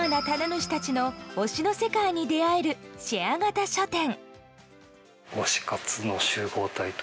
主たちの推しの世界に出会えるシェア型書店。